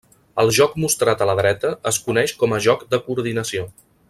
El joc mostrat a la dreta es coneix com a joc de coordinació.